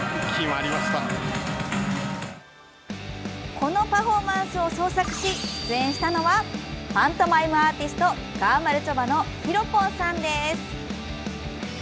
このパフォーマンスを創作し、出演したのはパントマイムアーティストがまるちょばのＨＩＲＯ‐ＰＯＮさんです！